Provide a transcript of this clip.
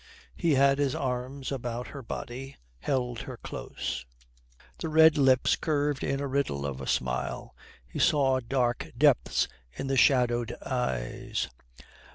He had his arms about her body, held her close. The red lips curved in a riddle of a smile. He saw dark depths in the shadowed eyes.